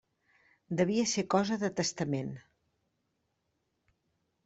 Devia ser cosa de testament.